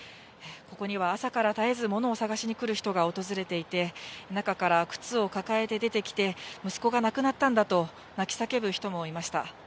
ここには朝から絶えずものを捜しに来る人が訪れていて、中から靴を抱えて出てきて、息子が亡くなったんだと、泣き叫ぶ人もいました。